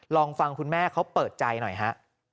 ลองฟังคุณแม่เขาเปิดใจหน่อยฮะ